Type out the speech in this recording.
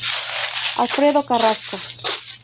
Alfredo Carrasco.